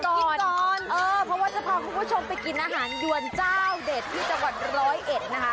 กินก่อนเออเพราะว่าจะพาคุณผู้ชมไปกินอาหารยวนเจ้าเด็ดที่จังหวัดร้อยเอ็ดนะคะ